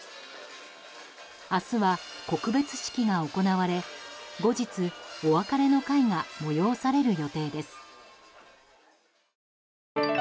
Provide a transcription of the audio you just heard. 明日は告別式が行われ後日、お別れの会が催される予定です。